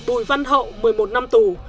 bùi văn hậu một mươi một năm tù